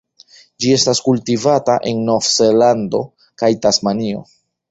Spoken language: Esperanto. Ĝi estas kultivata en Novzelando kaj Tasmanio.